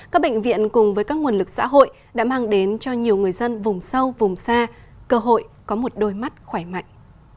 các bệnh viện cùng với các nguồn lực xã hội đã mang đến cho nhiều người dân vùng sâu vùng xa cơ hội có một đôi mắt khỏe mạnh